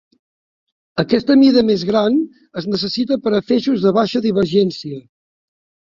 Aquesta mida més gran es necessita per a feixos de baixa divergència.